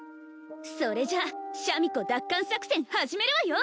それじゃあシャミ子奪還作戦始めるわよ